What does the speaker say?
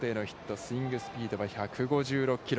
スイングスピードをは１５６キロ。